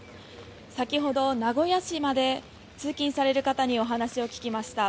先ほど名古屋市まで通勤される方にお話を聞きました。